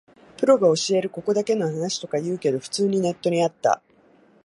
プロが教えるここだけの話とか言うけど、普通にネットにあった